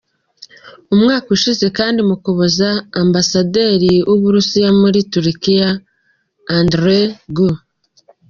Umwaka ushize kandi mu Ukuboza, Ambasaderi w’u Burusiya muri Turikiya, Andrey G.